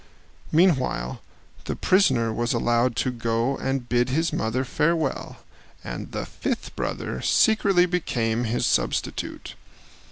Meanwhile the prisoner was allowed to go and bid his mother farewell, and the fifth brother secretly became his substitute.